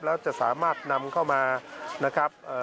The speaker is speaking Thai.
แล้วจะสามารถนำเข้ามานะครับ